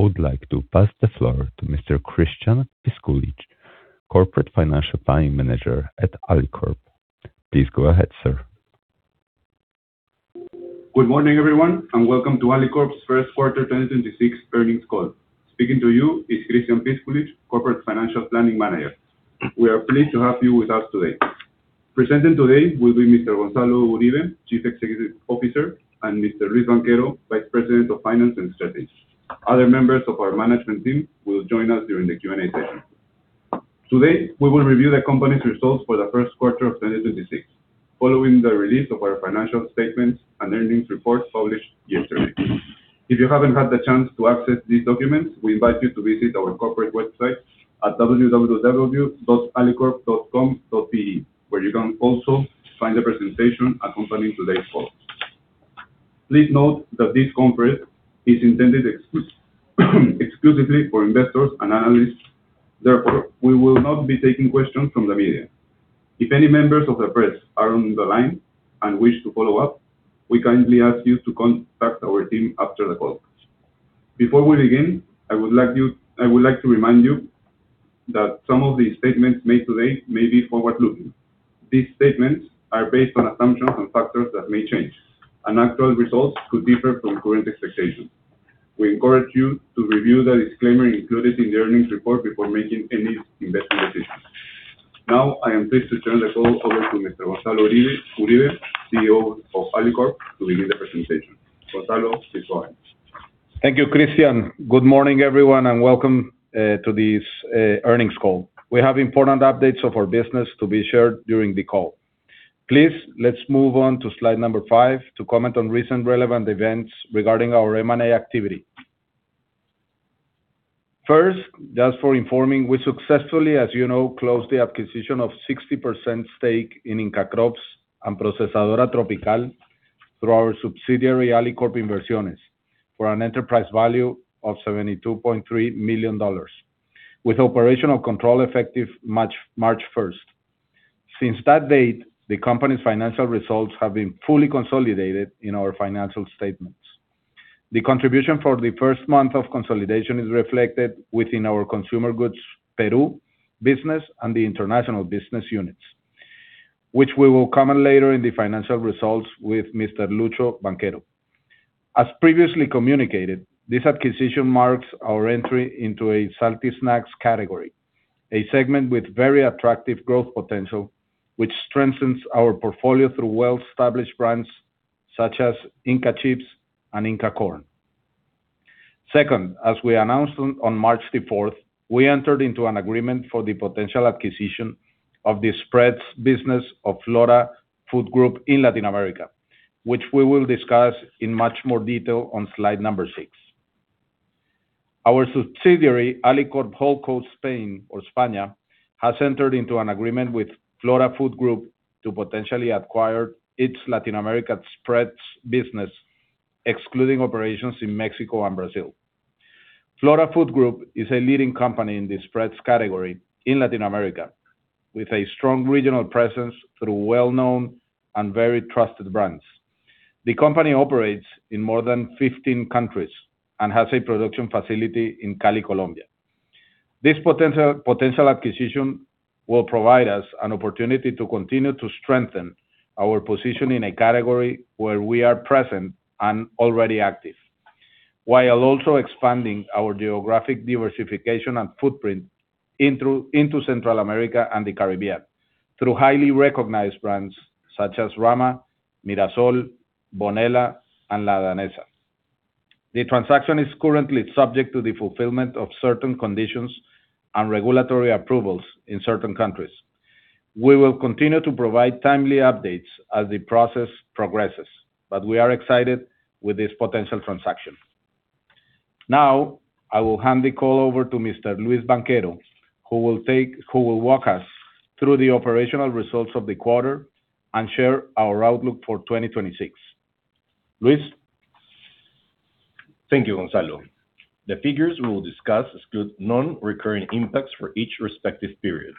I would like to pass the floor to Mr. Christian Piskulich, Corporate Financial Planning Manager at Alicorp. Please go ahead, sir. Good morning, everyone, and welcome to Alicorp's first quarter 2026 earnings call. Speaking to you is Christian Piskulich, Corporate Financial Planning Manager. We are pleased to have you with us today. Presenting today will be Mr. Gonzalo Uribe, Chief Executive Officer, and Mr. Luis Banchero, Vice President of Finance and Strategy. Other members of our management team will join us during the Q&A session. Today, we will review the company's results for the first quarter of 2026, following the release of our financial statements and earnings report published yesterday. If you haven't had the chance to access these documents, we invite you to visit our corporate website at www.alicorp.com.pe, where you can also find the presentation accompanying today's call. Please note that this conference is intended exclusively for investors and analysts. Therefore, we will not be taking questions from the media. If any members of the press are on the line and wish to follow up, we kindly ask you to contact our team after the call. Before we begin, I would like to remind you that some of the statements made today may be forward-looking. These statements are based on assumptions and factors that may change, and actual results could differ from current expectations. We encourage you to review the disclaimer included in the earnings report before making any investment decisions. Now, I am pleased to turn the call over to Mr. Gonzalo Uribe, CEO of Alicorp, to lead the presentation. Gonzalo, please go ahead. Thank you, Christian. Good morning, everyone, and welcome to this earnings call. We have important updates of our business to be shared during the call. Please, let's move on to slide number five to comment on recent relevant events regarding our M&A activity. First, just for informing, we successfully, as you know, closed the acquisition of 60% stake in Inka Crops and Procesadora Tropical through our subsidiary, Alicorp Inversiones, for an enterprise value of $72.3 million, with operational control effective March 1st. Since that date, the company's financial results have been fully consolidated in our financial statements. The contribution for the first month of consolidation is reflected within our Consumer Goods Peru business and the international business units, which we will comment later in the financial results with Mr. Luis Banchero. As previously communicated, this acquisition marks our entry into a salty snacks category, a segment with very attractive growth potential, which strengthens our portfolio through well-established brands such as Inka Chips and Inka Corn. Second, as we announced on March the 4th, we entered into an agreement for the potential acquisition of the spreads business of Flora Food Group in Latin America, which we will discuss in much more detail on slide number six. Our subsidiary, Alicorp Holdco Spain or España, has entered into an agreement with Flora Food Group to potentially acquire its Latin America spreads business, excluding operations in Mexico and Brazil. Flora Food Group is a leading company in the spreads category in Latin America, with a strong regional presence through well-known and very trusted brands. The company operates in more than 15 countries and has a production facility in Cali, Colombia. This potential acquisition will provide us an opportunity to continue to strengthen our position in a category where we are present and already active, while also expanding our geographic diversification and footprint into Central America and the Caribbean through highly recognized brands such as Rama, Mirasol, Bonella, and La Danesa. The transaction is currently subject to the fulfillment of certain conditions and regulatory approvals in certain countries. We will continue to provide timely updates as the process progresses. We are excited with this potential transaction. I will hand the call over to Mr. Luis Banchero, who will walk us through the operational results of the quarter and share our outlook for 2026. Luis? Thank you, Gonzalo. The figures we will discuss exclude non-recurring impacts for each respective period.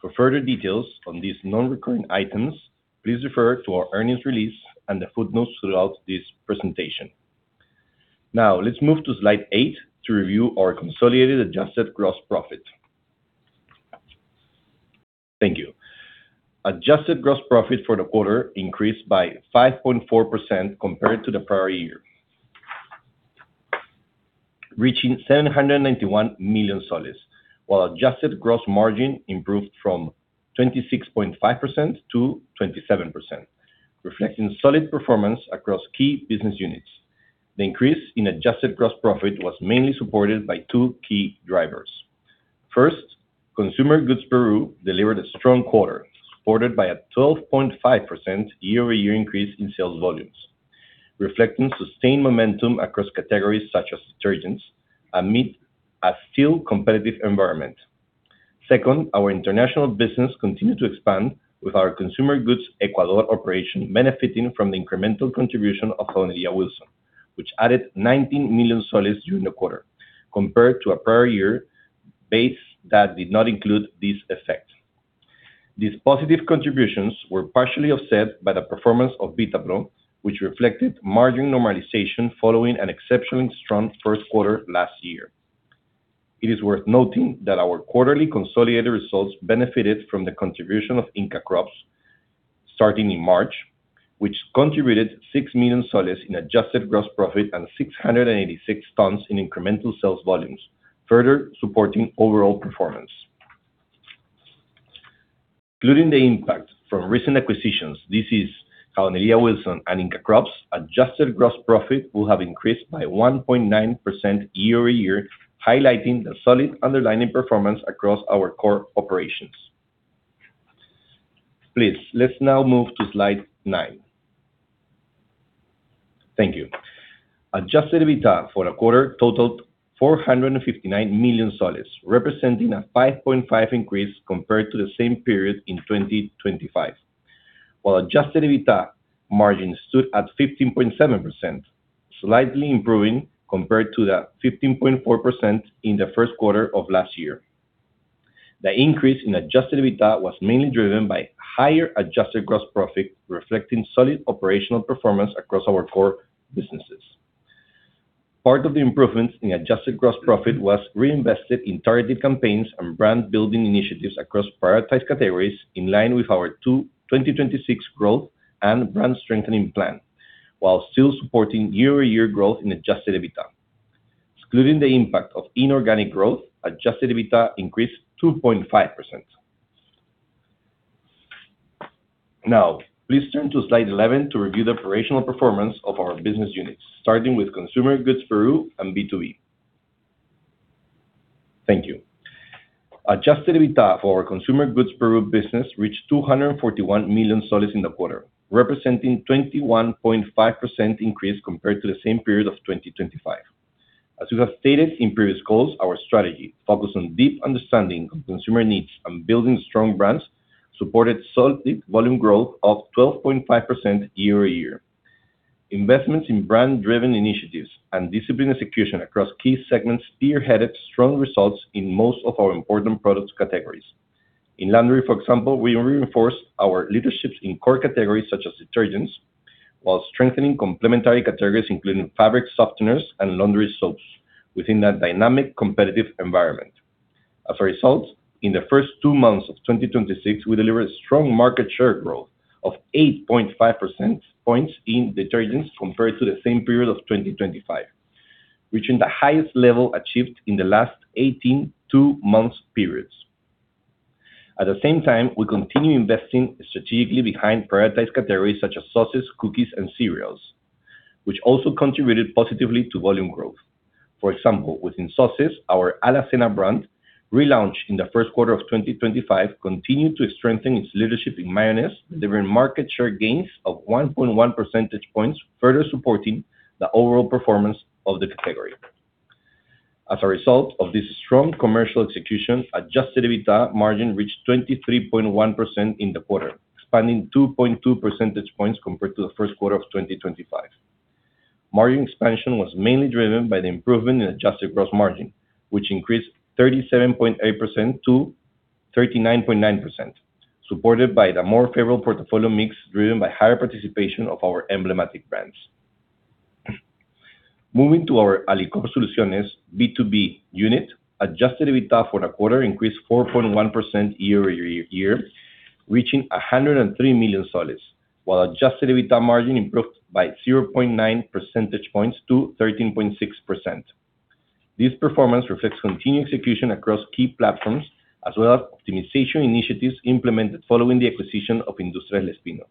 For further details on these non-recurring items, please refer to our earnings release and the footnotes throughout this presentation. Now, let's move to slide eight to review our consolidated adjusted gross profit. Thank you. Adjusted gross profit for the quarter increased by 5.4% compared to the prior year, reaching PEN 791 million, while adjusted gross margin improved from 26.5% to 27%, reflecting solid performance across key business units. The increase in adjusted gross profit was mainly supported by two key drivers. First, Consumer Goods Peru delivered a strong quarter, supported by a 12.5% year-over-year increase in sales volumes, reflecting sustained momentum across categories such as detergents amid a still competitive environment. Second, our international business continued to expand with our Consumer Goods Ecuador operation benefiting from the incremental contribution of La Fabril, which added PEN 19 million during the quarter compared to a prior year base that did not include this effect. These positive contributions were partially offset by the performance of Vitapro, which reflected margin normalization following an exceptionally strong first quarter last year. It is worth noting that our quarterly consolidated results benefited from the contribution of Inka Crops starting in March, which contributed PEN 6 million in adjusted gross profit and 686 tons in incremental sales volumes, further supporting overall performance. Including the impact from recent acquisitions, this is how Inka Crops, adjusted gross profit will have increased by 1.9% year-over-year, highlighting the solid underlying performance across our core operations. Please, let's now move to slide nine. Thank you. Adjusted EBITDA for the quarter totaled PEN 459 million, representing a 5.5% increase compared to the same period in 2025. While adjusted EBITDA margin stood at 15.7%, slightly improving compared to the 15.4% in the first quarter of last year. The increase in adjusted EBITDA was mainly driven by higher adjusted gross profit, reflecting solid operational performance across our core businesses. Part of the improvements in adjusted gross profit was reinvested in targeted campaigns and brand-building initiatives across prioritized categories in line with our 2026 growth and brand strengthening plan, while still supporting year-over-year growth in adjusted EBITDA. Excluding the impact of inorganic growth, adjusted EBITDA increased 2.5%. Now, please turn to slide 11 to review the operational performance of our business units, starting with Consumer Goods Peru and B2B. Thank you. Adjusted EBITDA for our Consumer Goods Peru business reached PEN 241 million in the quarter, representing 21.5% increase compared to the same period of 2025. As we have stated in previous calls, our strategy focused on deep understanding of consumer needs and building strong brands, supported solid volume growth of 12.5% year-over-year. Investments in brand-driven initiatives and disciplined execution across key segments spearheaded strong results in most of our important product categories. In laundry, for example, we reinforced our leadership in core categories such as detergents, while strengthening complementary categories, including fabric softeners and laundry soaps within a dynamic competitive environment. As a result, in the first two months of 2026, we delivered strong market share growth of 8.5 percentage points in detergents compared to the same period of 2025, reaching the highest level achieved in the last 18, two-month periods. At the same time, we continue investing strategically behind prioritized categories such as sauces, cookies, and cereals, which also contributed positively to volume growth. For example, within sauces, our AlaCena brand, relaunched in the first quarter of 2025, continued to strengthen its leadership in mayonnaise, delivering market share gains of 1.1 percentage points, further supporting the overall performance of the category. As a result of this strong commercial execution, adjusted EBITDA margin reached 23.1% in the quarter, expanding 2.2 percentage points compared to the first quarter of 2025. Margin expansion was mainly driven by the improvement in adjusted gross margin, which increased 37.8% to 39.9%, supported by the more favorable portfolio mix driven by higher participation of our emblematic brands. Moving to our Alicorp Soluciones B2B unit, adjusted EBITDA for the quarter increased 4.1% year-over-year, reaching PEN 103 million, while adjusted EBITDA margin improved by 0.9 percentage points to 13.6%. This performance reflects continued execution across key platforms, as well as optimization initiatives implemented following the acquisition of Industrias del Espino,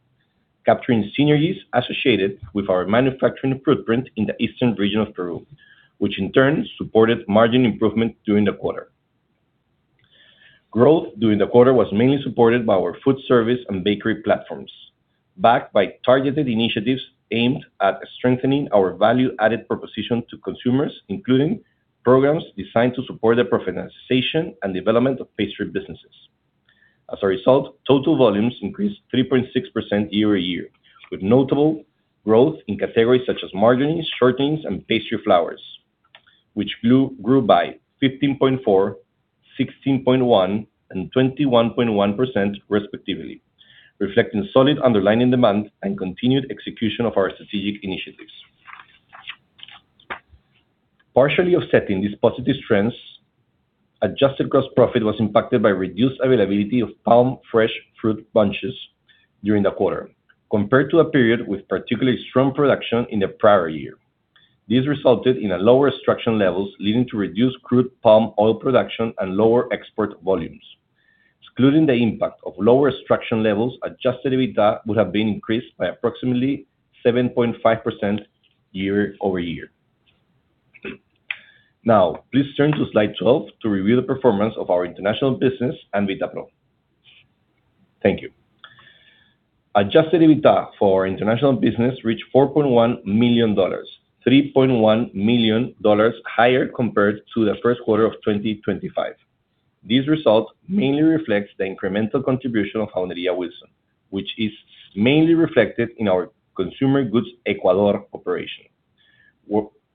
capturing synergies associated with our manufacturing footprint in the eastern region of Peru, which in turn supported margin improvement during the quarter. Growth during the quarter was mainly supported by our food service and bakery platforms, backed by targeted initiatives aimed at strengthening our value-added proposition to consumers, including programs designed to support the professionalization and development of pastry businesses. As a result, total volumes increased 3.6% year-over-year, with notable growth in categories such as margarines, shortenings, and pastry flours, which grew by 15.4%, 16.1%, and 21.1% respectively, reflecting solid underlying demand and continued execution of our strategic initiatives. Partially offsetting these positive trends, adjusted gross profit was impacted by reduced availability of palm fresh fruit bunches during the quarter, compared to a period with particularly strong production in the prior year. This resulted in a lower extraction levels, leading to reduced crude palm oil production and lower export volumes. Excluding the impact of lower extraction levels, adjusted EBITDA would have been increased by approximately 7.5% year-over-year. Please turn to slide 12 to review the performance of our international business and Vitapro. Thank you. Adjusted EBITDA for our international business reached $4.1 million, $3.1 million higher compared to the first quarter of 2025. This result mainly reflects the incremental contribution of Jabonería Wilson, which is mainly reflected in our consumer goods Ecuador operation.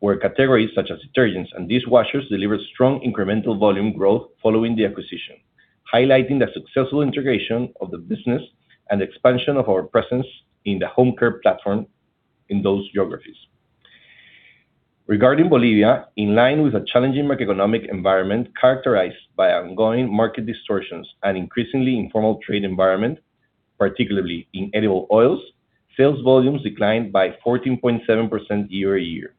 Where categories such as detergents and dishwashers delivered strong incremental volume growth following the acquisition, highlighting the successful integration of the business and expansion of our presence in the home care platform in those geographies. Regarding Bolivia, in line with a challenging macroeconomic environment characterized by ongoing market distortions and increasingly informal trade environment, particularly in edible oils, sales volumes declined by 14.7% year-over-year.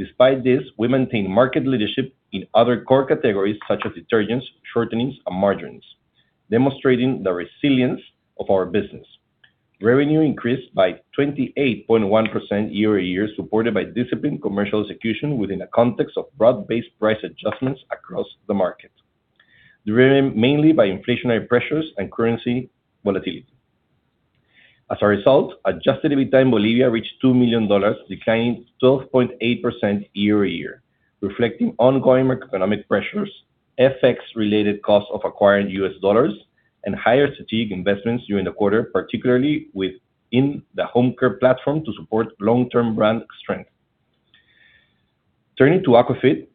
Despite this, we maintain market leadership in other core categories such as detergents, shortenings, and margarines, demonstrating the resilience of our business. Revenue increased by 28.1% year-over-year, supported by disciplined commercial execution within a context of broad-based price adjustments across the market, driven mainly by inflationary pressures and currency volatility. As a result, adjusted EBITDA in Bolivia reached $2 million, declining 12.8% year-over-year, reflecting ongoing macroeconomic pressures, FX-related costs of acquiring U.S. dollars, and higher strategic investments during the quarter, particularly within the home care platform to support long-term brand strength. Turning to aquaculture,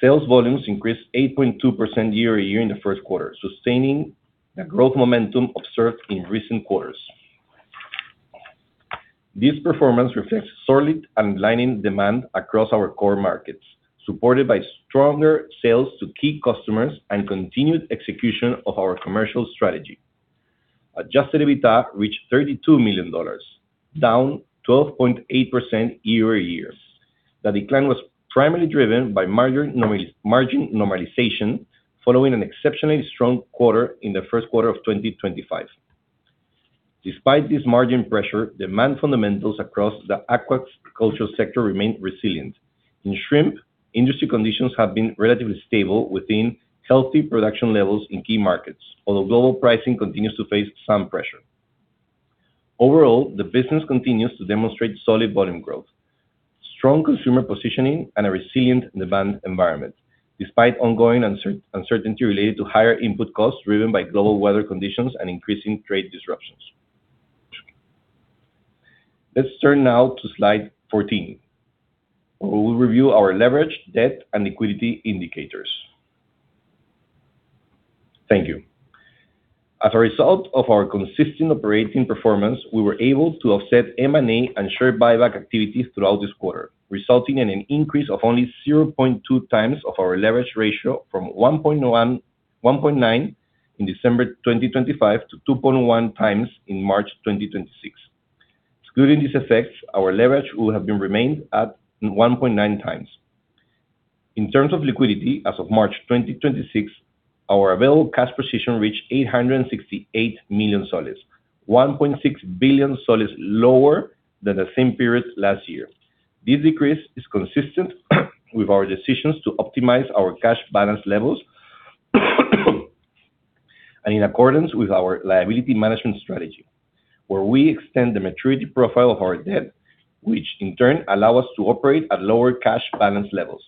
sales volumes increased 8.2% year-over-year in the 1st quarter, sustaining the growth momentum observed in recent quarters. This performance reflects solid underlying demand across our core markets, supported by stronger sales to key customers and continued execution of our commercial strategy. Adjusted EBITDA reached $32 million, down 12.8% year-over-year. The decline was primarily driven by margin normalization following an exceptionally strong quarter in the firstst quarter of 2025. Despite this margin pressure, demand fundamentals across the aquaculture sector remained resilient. In shrimp, industry conditions have been relatively stable within healthy production levels in key markets, although global pricing continues to face some pressure. Overall, the business continues to demonstrate solid volume growth, strong consumer positioning, and a resilient demand environment, despite ongoing uncertainty related to higher input costs driven by global weather conditions and increasing trade disruptions. Let's turn now to slide 14, where we'll review our leverage, debt, and liquidity indicators. Thank you. As a result of our consistent operating performance, we were able to offset M&A and share buyback activities throughout this quarter, resulting in an increase of only 0.2x of our leverage ratio from 1.9x in December 2025 to 2.1x in March 2026. Excluding these effects, our leverage would have been remained at 1.9x. In terms of liquidity, as of March 2026, our available cash position reached PEN 868 million, PEN 1.6 billion lower than the same period last year. This decrease is consistent with our decisions to optimize our cash balance levels and in accordance with our liability management strategy, where we extend the maturity profile of our debt, which in turn allow us to operate at lower cash balance levels.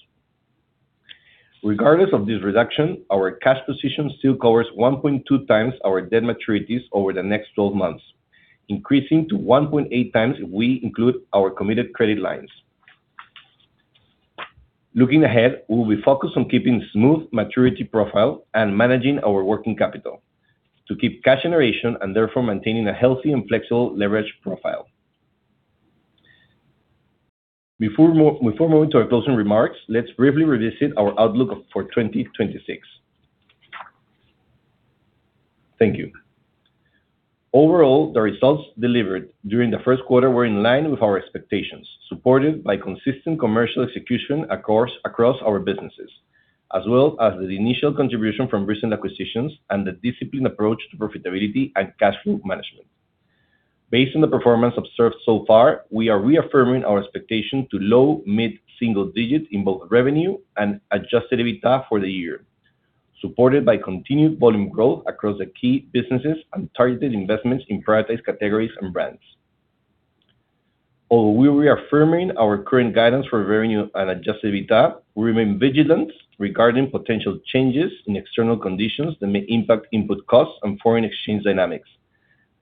Regardless of this reduction, our cash position still covers 1.2x our debt maturities over the next 12 months, increasing to 1.8x if we include our committed credit lines. Looking ahead, we'll be focused on keeping smooth maturity profile and managing our working capital to keep cash generation and therefore maintaining a healthy and flexible leverage profile. Before moving to our closing remarks, let's briefly revisit our outlook for 2026. Thank you. Overall, the results delivered during the first quarter were in line with our expectations, supported by consistent commercial execution across our businesses, as well as the initial contribution from recent acquisitions and the disciplined approach to profitability and cash flow management. Based on the performance observed so far, we are reaffirming our expectation to low-mid single digits in both revenue and adjusted EBITDA for the year, supported by continued volume growth across the key businesses and targeted investments in prioritized categories and brands. Although we're reaffirming our current guidance for revenue and adjusted EBITDA, we remain vigilant regarding potential changes in external conditions that may impact input costs and foreign exchange dynamics.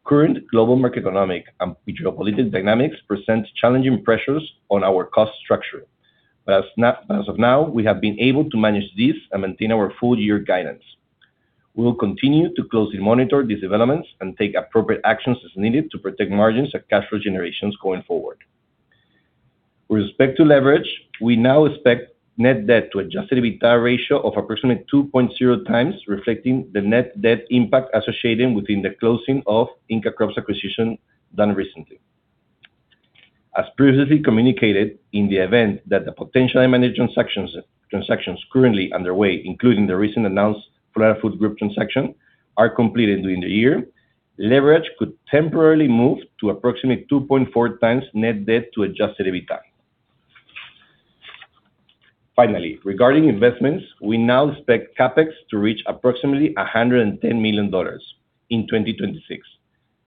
Current global macroeconomic and geopolitical dynamics present challenging pressures on our cost structure. As now, as of now, we have been able to manage this and maintain our full-year guidance. We will continue to closely monitor these developments and take appropriate actions as needed to protect margins and cash flow generations going forward. With respect to leverage, we now expect net debt to adjusted EBITDA ratio of approximately 2.0x, reflecting the net debt impact associated within the closing of Inka Crops acquisition done recently. As previously communicated, in the event that the potential M&A transactions currently underway, including the recent announced Flora Food Group transaction, are completed during the year, leverage could temporarily move to approximately 2.4x net debt to adjusted EBITDA. Finally, regarding investments, we now expect CapEx to reach approximately $110 million in 2026.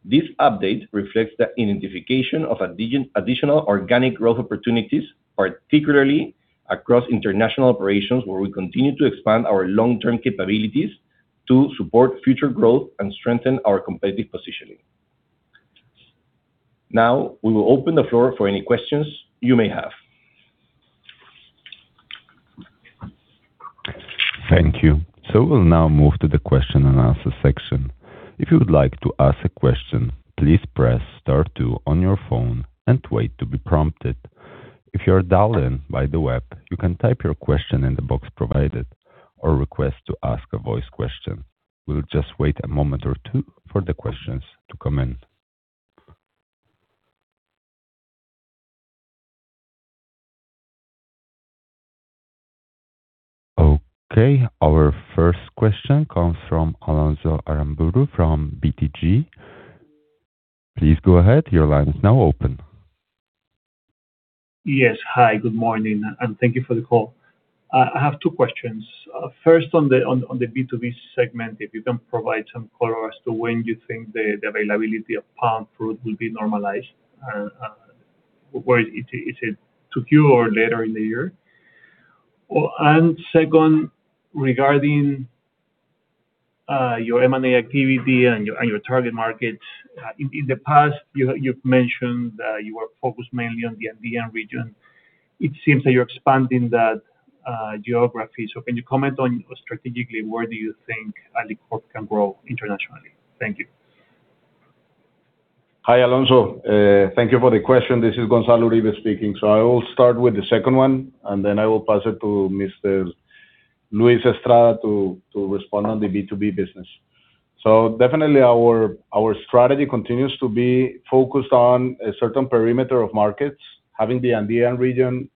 This update reflects the identification of additional organic growth opportunities, particularly across international operations, where we continue to expand our long-term capabilities to support future growth and strengthen our competitive positioning. Now we will open the floor for any questions you may have. Thank you. We'll now move to the question and answer section. If you would like to ask a question, please press star two on your phone and wait to be prompted. If you are dialed in by the web, you can type your question in the box provided or request to ask a voice question. We'll just wait a moment or two for the questions to come in. Okay, our first question comes from Alonso Aramburú from BTG. Please go ahead, your line is now open. Yes. Hi, good morning, and thank you for the call. I have two questions. First on the B2B segment, if you can provide some color as to when you think the availability of palm fruit will be normalized. Where is it 2Q or later in the year? Well, second, regarding your M&A activity and your target markets. In the past, you've mentioned that you were focused mainly on the Andean region. It seems that you're expanding that geography. Can you comment on strategically, where do you think Alicorp can grow internationally? Thank you. Hi, Alonso. Thank you for the question. This is Gonzalo Uribe speaking. I will start with the second one, and then I will pass it to Mr. Luis Estrada to respond on the B2B business. Definitely our strategy continues to be focused on a certain perimeter of markets, having the Andean region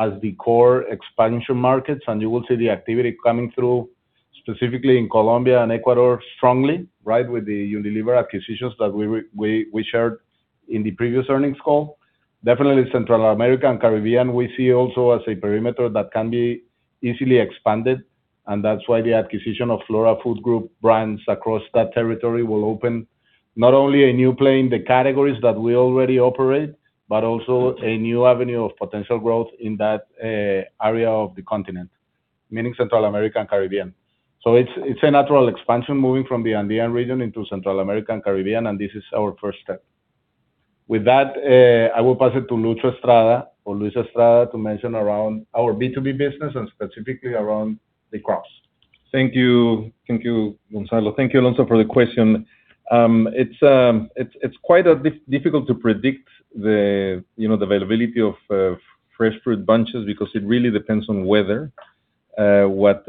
as the core expansion markets. You will see the activity coming through, specifically in Colombia and Ecuador, strongly, right? With the Unilever acquisitions that we shared in the previous earnings call. Definitely Central America and Caribbean, we see also as a perimeter that can be easily expanded, and that's why the acquisition of Flora Food Group brands across that territory will open not only a new plane, the categories that we already operate, but also a new avenue of potential growth in that area of the continent, meaning Central America and Caribbean. It's, it's a natural expansion moving from the Andean region into Central America and Caribbean, and this is our first step. With that, I will pass it to Luis Estrada or Luis Estrada to mention around our B2B business and specifically around the crops. Thank you. Thank you, Gonzalo. Thank you, Alonso, for the question. It's, it's quite difficult to predict the, you know, the availability of fresh fruit bunches because it really depends on weather. What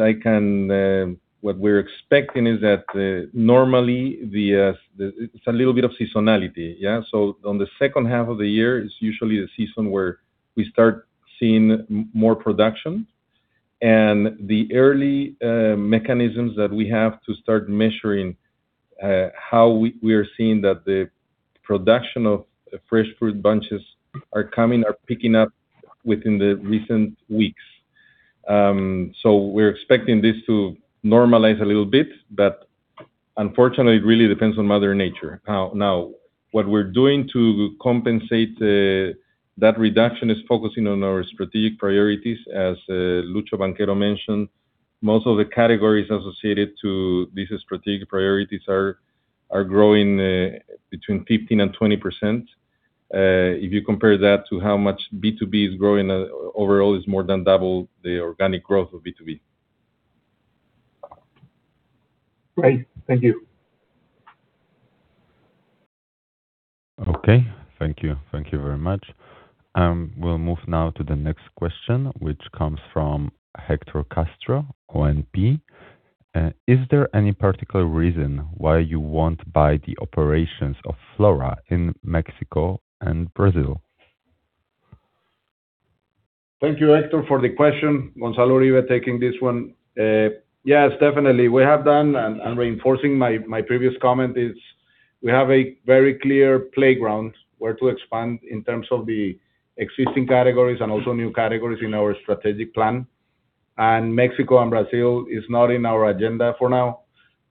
we're expecting is that normally it's a little bit of seasonality, yeah? On the second half of the year is usually the season where we start seeing more production. The early mechanisms that we have to start measuring how we are seeing that the production of fresh fruit bunches are coming, are picking up within the recent weeks. We're expecting this to normalize a little bit, but unfortunately, it really depends on mother nature. Now, what we're doing to compensate that reduction is focusing on our strategic priorities. As Luis Banchero mentioned, most of the categories associated with these strategic priorities are growing, between 15% and 20%. If you compare that to how much B2B is growing, overall, it is more than double the organic growth of B2B. Great. Thank you. Okay. Thank you. Thank you very much. We'll move now to the next question, which comes from Héctor Castro, ONP. Is there any particular reason why you won't buy the operations of Flora in Mexico and Brazil? Thank you, Hector, for the question. Gonzalo Uribe taking this one. Yes, definitely. We have done, and reinforcing my previous comment, is we have a very clear playground where to expand in terms of the existing categories and also new categories in our strategic plan. Mexico and Brazil is not in our agenda for now.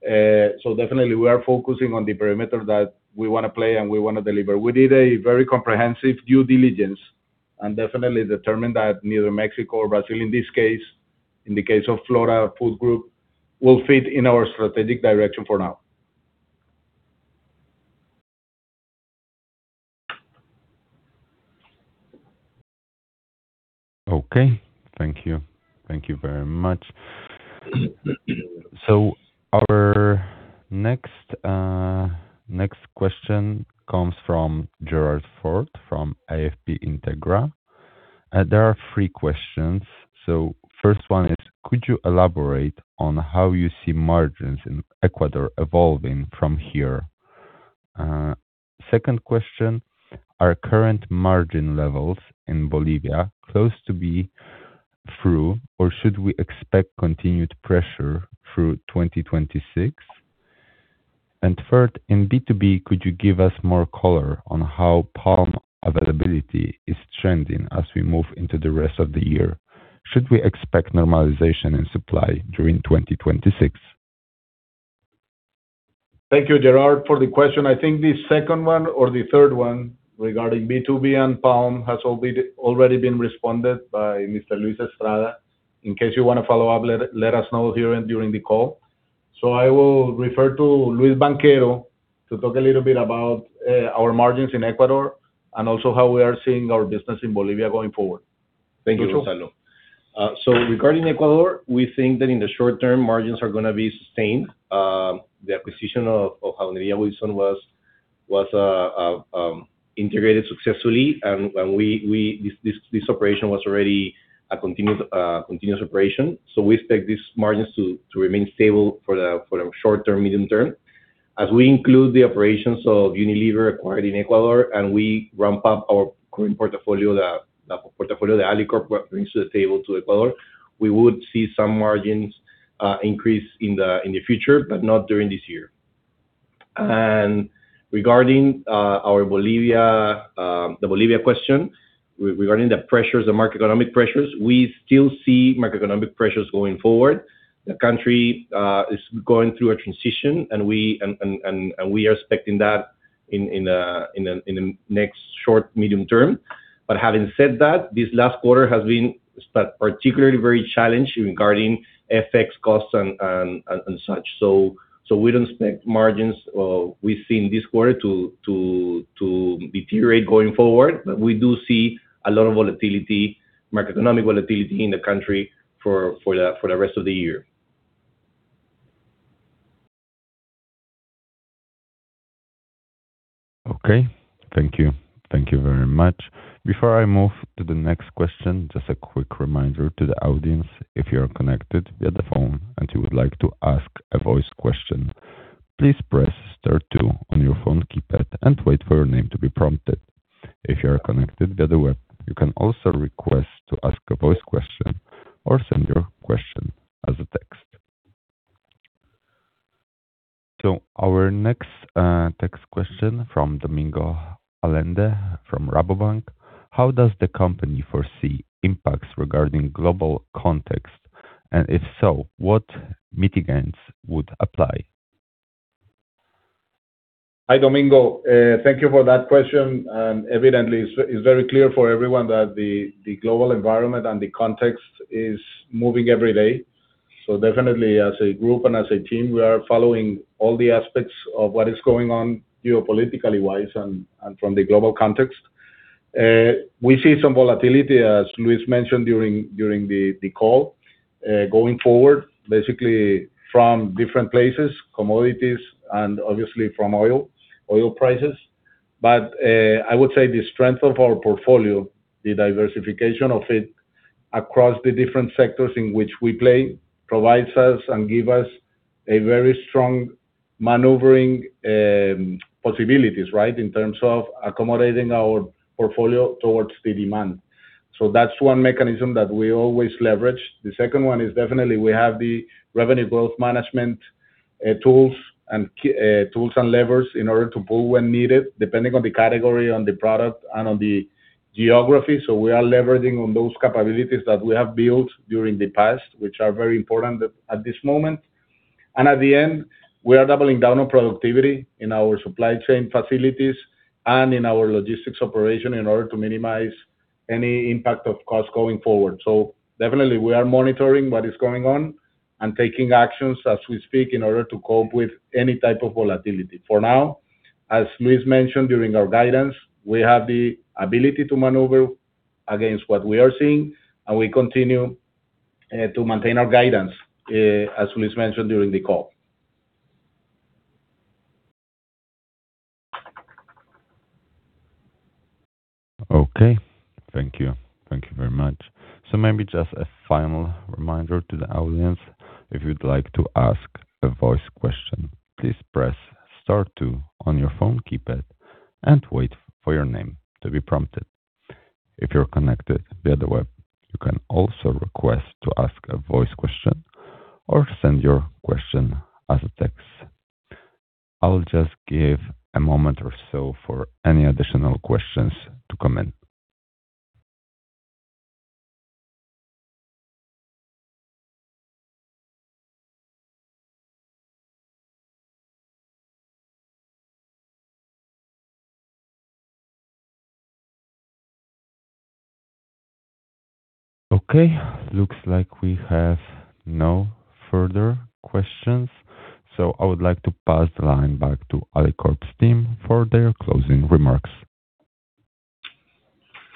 Definitely we are focusing on the perimeter that we wanna play and we wanna deliver. We did a very comprehensive due diligence and definitely determined that neither Mexico or Brazil, in this case, in the case of Flora Food Group, will fit in our strategic direction for now. Okay. Thank you. Thank you very much. Our next question comes from Gerald Ford from AFP Integra. There are three questions. First one is, could you elaborate on how you see margins in Ecuador evolving from here? Second question, are current margin levels in Bolivia close to be through, or should we expect continued pressure through 2026? Third, in B2B, could you give us more color on how palm availability is trending as we move into the rest of the year? Should we expect normalization in supply during 2026? Thank you, Gerald, for the question. I think the second one or the third one regarding B2B and palm has already been responded by Mr. Luis Estrada. In case you wanna follow up, let us know here during the call. I will refer to Luis Banchero to talk a little bit about our margins in Ecuador, and also how we are seeing our business in Bolivia going forward. Thank you, Gonzalo. Regarding Ecuador, we think that in the short term, margins are gonna be sustained. The acquisition of Jabonería Wilson was integrated successfully and this operation was already a continuous operation. We expect these margins to remain stable for the short-term, medium-term. As we include the operations of Unilever acquired in Ecuador, we ramp up our current portfolio, the portfolio that Alicorp brings to the table to Ecuador, we would see some margins increase in the future, not during this year. Regarding our Bolivia, the Bolivia question, regarding the pressures, the macroeconomic pressures, we still see macroeconomic pressures going forward. The country is going through a transition, and we are expecting that in the next short, medium term. Having said that, this last quarter has been particularly very challenged regarding FX costs and such. We don't expect margins we've seen this quarter to deteriorate going forward. We do see a lot of volatility, macroeconomic volatility in the country for the rest of the year. Okay. Thank you. Thank you very much. Before I move to the next question, just a quick reminder to the audience, if you are connected via the phone and you would like to ask a voice question, please press star two on your phone keypad and wait for your name to be prompted. If you are connected via the web, you can also request to ask a voice question or send your question as a text. Our next text question from Domingo Allende from Rabobank. How does the company foresee impacts regarding global context? If so, what mitigants would apply? Hi, Domingo. Thank you for that question. Evidently, it's very clear for everyone that the global environment and the context is moving every day. Definitely as a group and as a team, we are following all the aspects of what is going on geopolitically-wise and from the global context. We see some volatility, as Luis mentioned during the call, going forward, basically from different places, commodities, and obviously from oil prices. I would say the strength of our portfolio, the diversification of it across the different sectors in which we play, provides us and give us a very strong maneuvering possibilities, right? In terms of accommodating our portfolio towards the demand. That's one mechanism that we always leverage. The second one is definitely we have the revenue growth management tools and levers in order to pull when needed, depending on the category, on the product, and on the geography. We are leveraging on those capabilities that we have built during the past, which are very important at this moment. At the end, we are doubling down on productivity in our supply chain facilities and in our logistics operation in order to minimize any impact of cost going forward. Definitely we are monitoring what is going on and taking actions as we speak in order to cope with any type of volatility. For now, as Luis mentioned during our guidance, we have the ability to maneuver against what we are seeing, and we continue to maintain our guidance as Luis mentioned during the call. Thank you. Thank you very much. Maybe just a final reminder to the audience, if you'd like to ask a voice question, please press star two on your phone keypad and wait for your name to be prompted. If you're connected via the web, you can also request to ask a voice question or send your question as a text. I'll just give a moment or so for any additional questions to come in. Looks like we have no further questions, so I would like to pass the line back to Alicorp's team for their closing remarks.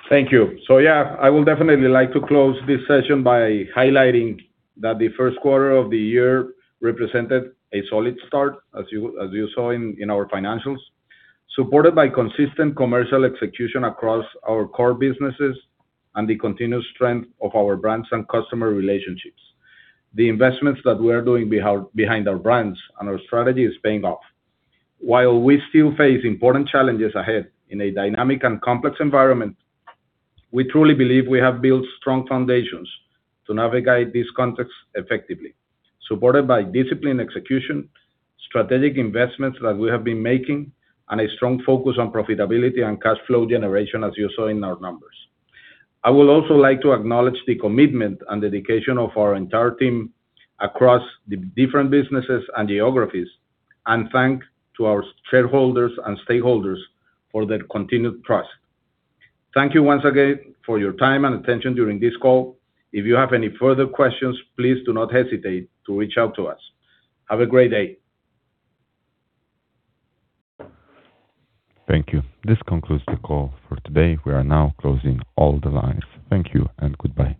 Thank you. Yeah, I would definitely like to close this session by highlighting that the first quarter of the year represented a solid start, as you saw in our financials, supported by consistent commercial execution across our core businesses and the continuous strength of our brands and customer relationships. The investments that we are doing behind our brands and our strategy is paying off. While we still face important challenges ahead in a dynamic and complex environment, we truly believe we have built strong foundations to navigate this context effectively, supported by disciplined execution, strategic investments that we have been making, and a strong focus on profitability and cash flow generation, as you saw in our numbers. I would also like to acknowledge the commitment and dedication of our entire team across the different businesses and geographies, and thank our shareholders and stakeholders for their continued trust. Thank you once again for your time and attention during this call. If you have any further questions, please do not hesitate to reach out to us. Have a great day. Thank you. This concludes the call for today. We are now closing all the lines. Thank you and goodbye.